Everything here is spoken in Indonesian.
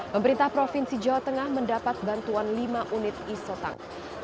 pemerintah provinsi jawa tengah mendapat bantuan lima unit isotang